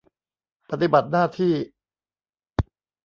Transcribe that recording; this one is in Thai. ปฏิบัติหน้าที่